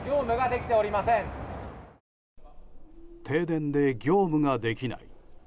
停電で業務ができない。